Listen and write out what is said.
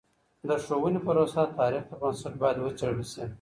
د ښوونې پروسه د تاریخ پر بنسټ باید وڅېړل سي.